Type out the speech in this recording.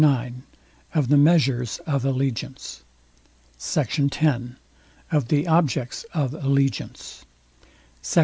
IX OF THE MEASURES OF ALLEGIANCE SECT. X OF THE OBJECTS OF ALLEGIANCE SECT.